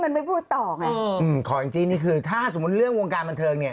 แองจรี่พิสุทธิ์แล้ววงการบันเทิง